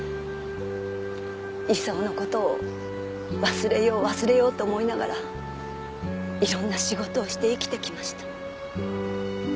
功の事を忘れよう忘れようと思いながらいろんな仕事をして生きてきました。